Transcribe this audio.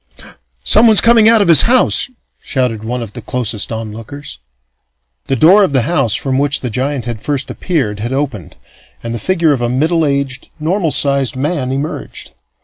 "Someone's coming out of his house!" shouted one of the closest onlookers. The door of the house from which the giant had first appeared had opened, and the figure of a middle aged, normal sized man emerged.